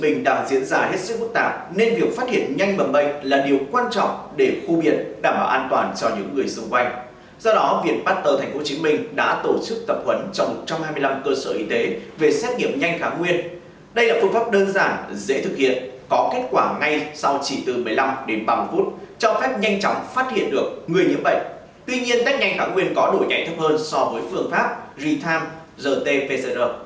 nhanh chóng phát hiện được người nhiễm bệnh tuy nhiên tách nhanh kháng nguyên có đổi nhảy thấp hơn so với phương pháp ritam gt pcr